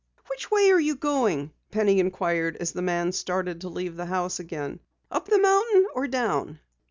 "Which way are you going?" Penny inquired as the man started to leave the house again. "Up the mountain or down?"